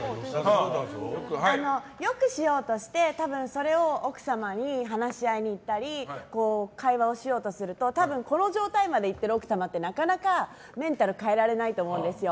良くしようとして多分それを奥様に話し合いに行ったり会話をしようとするとこの状態までいっている奥様はなかなかメンタルを変えられないと思うんですよ。